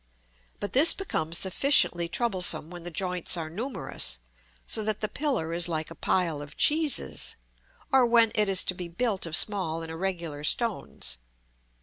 But this becomes sufficiently troublesome when the joints are numerous, so that the pillar is like a pile of cheeses; or when it is to be built of small and irregular stones.